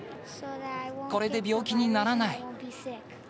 これで病気にならない。